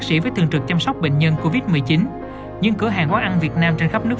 sĩ với thường trực chăm sóc bệnh nhân covid một mươi chín những cửa hàng quán ăn việt nam trên khắp nước